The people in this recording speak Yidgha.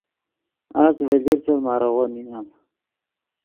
اس ڤے لیرسف ماریغو نینم